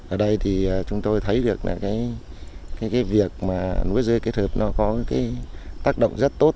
ở đây chúng tôi thấy được việc núa rươi kết hợp có tác động rất tốt